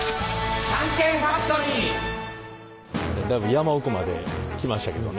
だいぶ山奥まで来ましたけどね。